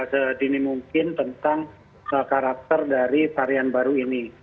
sedini mungkin tentang karakter dari varian baru ini